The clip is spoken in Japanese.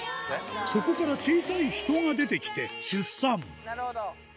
そこから小さい人が出てきて「出産」